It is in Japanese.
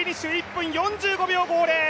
１分４５秒５０。